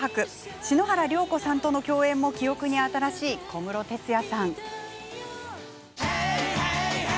篠原涼子さんとの共演も記憶に新しい小室哲哉さん。